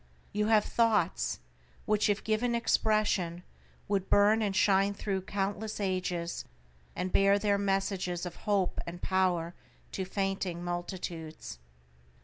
You have thoughts which if given expression would burn and shine thru countless ages and bear their messages of hope and power to fainting multitudes.